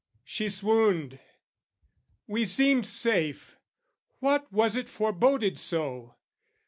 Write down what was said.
She swooned. We seemed safe: what was it foreboded so?